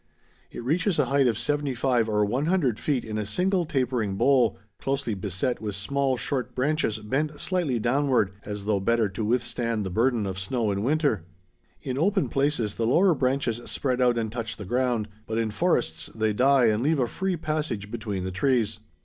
It reaches a height of 75 or 100 feet in a single tapering bole, closely beset with small short branches bent slightly downward, as though better to withstand the burden of snow in winter. In open places the lower branches spread out and touch the ground, but in forests they die and leave a free passage between the trees.